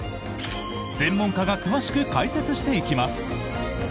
専門家が詳しく解説していきます。